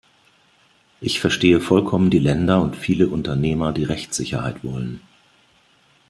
Ich verstehe vollkommen die Länder und viele Unternehmer, die Rechtssicherheit wollen.